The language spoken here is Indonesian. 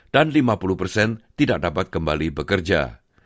dan lima puluh persen tidak dapat kembali bekerja